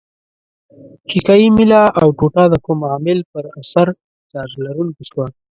ښيښه یي میله او ټوټه د کوم عامل په اثر چارج لرونکې شوه؟